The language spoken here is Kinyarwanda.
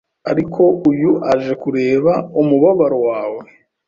Ariko uyu aje kureba umubabaro wawe